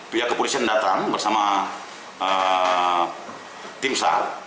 pihak kepolisian datang bersama tim sar